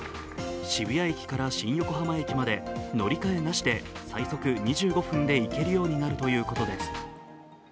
渋谷駅から新横浜駅まで乗り換えなしで最速２５分で行けるようになるということです。